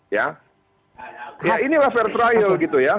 ya nah inilah fair trial gitu ya